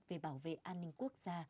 về bảo vệ an ninh quốc gia